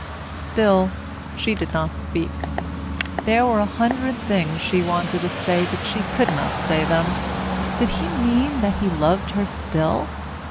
Still she did not speak. There were a hundred things she wanted to say but she could not say them. Did he mean that he loved her still?